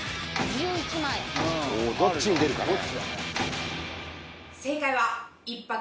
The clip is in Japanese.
おおどっちに出るかね